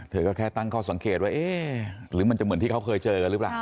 เธอก็แค่ตั้งข้อสังเกตว่าเอ๊ะหรือมันจะเหมือนที่เขาเคยเจอกันหรือเปล่า